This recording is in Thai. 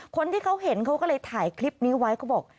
คนที่เขาเห็นเขาก็เลยถ่ายคลิปนี้ไว้เขาบอก